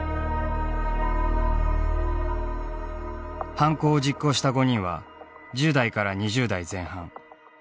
犯行を実行した５人は１０代から２０代前半。